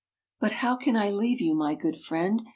" But how can I leave you, my good friend?